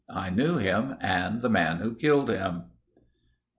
I knew him and the man who killed him."